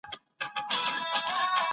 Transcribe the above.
پر مځکي باندي تیاره خپره سوه.